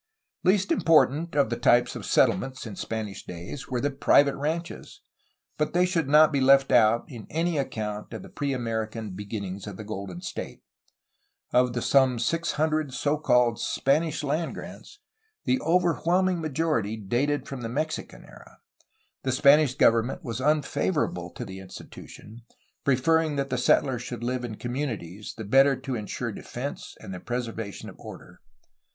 Least important of the types of settlement in Spanish days were the private ranches, but they should not be left out in any account of the pre American beginnings of the Golden State. Of the some six hundred so called ^^ Spanish land grants," the overwhelming majority dated from the Mexican SPANISH CALIFORNIAN INSTITUTIONS 393 era. The Spanish government was unfavorable to the in stitution, preferring that the settlers should live in commu nities, the better to ensure defence and the preservation of order.